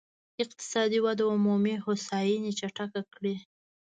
اقتصادي وده عمومي هوساينې چټکه کړي.